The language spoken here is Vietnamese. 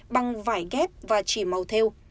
bằng vải ghép và chỉ màu theo